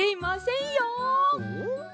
ん？